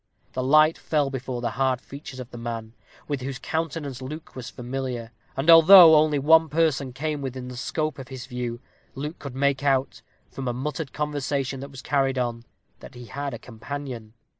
The light fell before the hard features of the man, with whose countenance Luke was familiar; and although only one person came within the scope of his view, Luke could make out, from a muttered conversation that was carried on, that he had a companion.